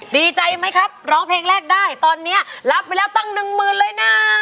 ดีใจไหมครับร้องเพลงแรกได้ตอนนี้รับไปแล้วตั้งหนึ่งหมื่นเลยนะ